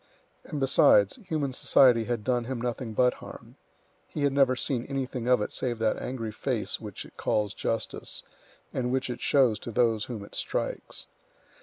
And besides, human society had done him nothing but harm; he had never seen anything of it save that angry face which it calls Justice, and which it shows to those whom it strikes.